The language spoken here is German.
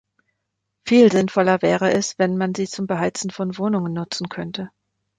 Viel sinnvoller wäre es, wenn man sie zum Beheizen von Wohnungen nutzen könnte.